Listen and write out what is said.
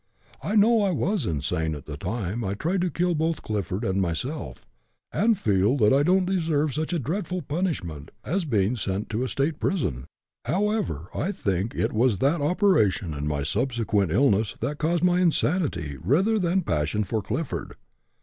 I know I was insane at the time I tried to kill both Clifford and myself, and feel that I don't deserve such a dreadful punishment as being sent to a State prison. However, I think it was that operation and my subsequent illness that caused my insanity rather than passion for Clifford.